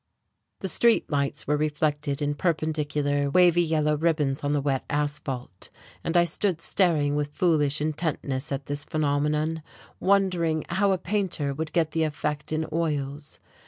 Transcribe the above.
The street lights were reflected in perpendicular, wavy yellow ribbons on the wet asphalt, and I stood staring with foolish intentness at this phenomenon, wondering how a painter would get the effect in oils.